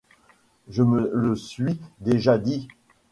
Je me le suis déjà dit.